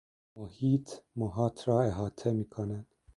محیط، محاط را احاطه میکند